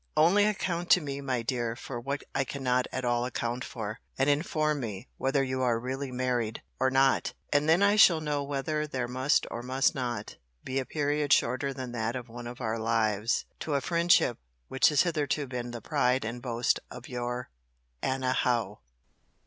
Only account to me, my dear, for what I cannot at all account for: and inform me, whether you are really married, or not.—And then I shall know whether there must or must not, be a period shorter than that of one of our lives, to a friendship which has hitherto been the pride and boast of Your ANNA HOWE.